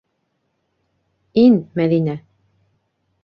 Ин, Мәҙинә...